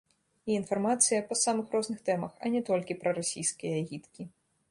І інфармацыя па самых розных тэмах, а не толькі прарасійскія агіткі.